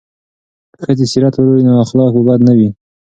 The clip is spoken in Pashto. که ښځې سیرت ولولي نو اخلاق به بد نه وي.